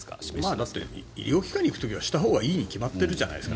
だって医療機関に行く時はしたほうがいいに決まっているじゃないですか。